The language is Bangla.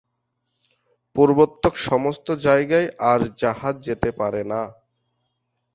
পূর্বোক্ত সমস্ত জায়গায়ই আর জাহাজ যেতে পারে না।